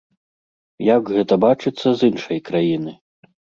Як гэта бачыцца з іншай краіны?